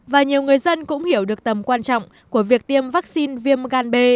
và nhiều người dân cũng hiểu được tầm quan trọng của việc tiêm vaccine viêm gan b